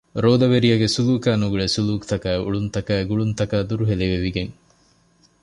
ރޯދަވެރިޔާގެ ސުލޫކާ ނުގުޅޭ ސުލޫކުތަކާއި އުޅުންތަކާއި ގުޅުންތަކާ ދުރުހެލި ވެވިގެން